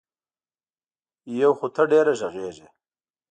یو خو ته ډېره غږېږې.